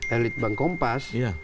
elite bank kompas